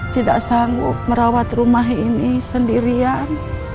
tidak sanggup merawat rumah ini sendirian